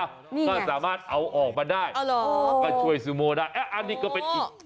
นี่ก็สามารถเอาออกมาได้อ๋อเหรอก็ช่วยซูโมได้อ่ะอันนี้ก็เป็นอีก